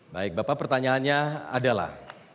baik bapak pertanyaannya adalah